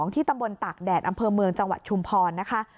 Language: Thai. ที่ตำบลตากแดดอำเภอเมืองจังหวัดชุมพรนะคะ